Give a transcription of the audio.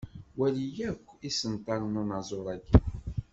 Wali akk isental n unaẓur-agi.